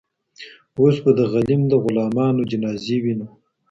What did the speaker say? اوس به د غلیم د غلامانو جنازې وینو